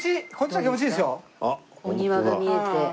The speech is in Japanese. お庭が見えて。